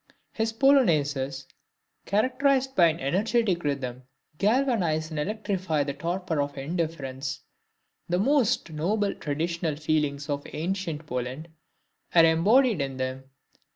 His Polonaises, characterized by an energetic rhythm, galvanize and electrify the torpor of indifference. The most noble traditional feelings of ancient Poland are embodied in them.